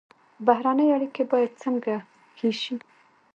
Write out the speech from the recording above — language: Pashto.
بهرنۍ اړیکې باید څنګه ښې شي؟